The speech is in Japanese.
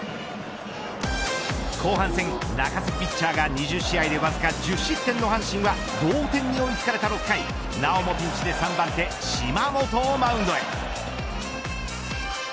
後半戦、中継ぎピッチャーが２０試合でわずか１０失点の阪神は同点に追い付かれた６回なおもピンチで３番手島本をマウンドへ。